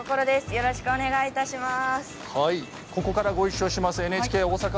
よろしくお願いします。